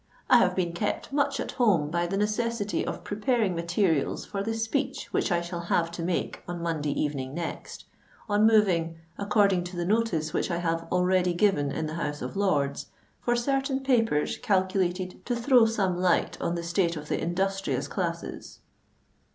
"I have been kept much at home by the necessity of preparing materials for the speech which I shall have to make on Monday evening next, on moving, according to the notice which I have already given in the House of Lords, for certain papers calculated to throw some light on the state of the industrious classes."